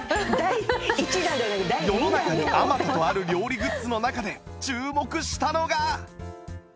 世の中にあまたとある料理グッズの中で注目したのが